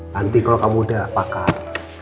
nanti kalau kamu udah pakar